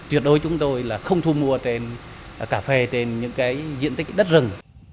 tuyệt đối chúng tôi là không thu mua trên cà phê trên những cái diện tích đất rừng